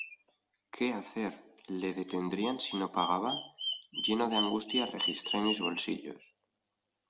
¿Qué hacer? ¿Le detendrían si no pagaba? lleno de angustia registré mis bolsillos.